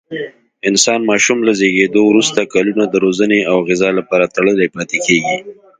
انسان ماشوم له زېږېدو وروسته کلونه د روزنې او غذا لپاره تړلی پاتې کېږي.